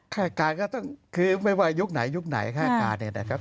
อาการก็ต้องคือไม่ว่ายุคไหนยุคไหนค่ายการเนี่ยนะครับ